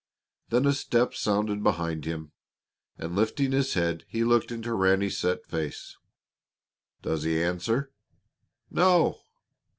Then a step sounded behind him, and lifting his head, he looked into Ranny's set face. "Does he answer?" "No."